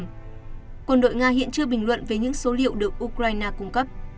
nhưng quân đội nga hiện chưa bình luận về những số liệu được ukraine cung cấp